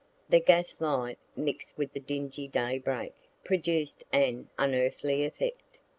The gas light, mix'd with the dingy day break, produced an unearthly effect.